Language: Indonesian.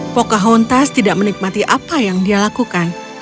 pocahontas tidak menikmati apa yang dia lakukan